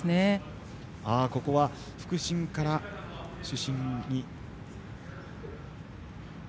ここは、副審から主審に。